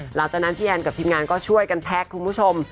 หลังจากนั้นพี่แอนกับทีมงานก็ช่วยกันแพ็คคุณผู้ชม